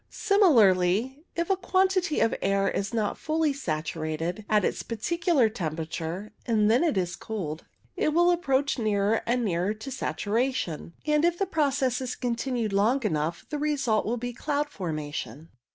Similarly, if a quantity of air is not fully saturated at its particular temperature, and is then cooled, it will approach nearer and nearer to saturation, and if the process is continued long enough the result will be cloud formation.